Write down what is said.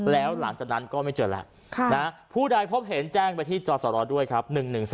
แล้วหลังจากนั้นก็ไม่เจอและค่ะนะฮะผู้ใดเพิ่มเห็นแจ้งไปที่จอดสอดร้อยด้วยครับ